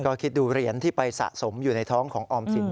ก็คิดดูเหรียญที่ไปสะสมอยู่ในท้องของออมสิน